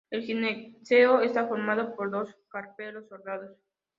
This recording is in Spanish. El gineceo está formado por dos carpelos soldados.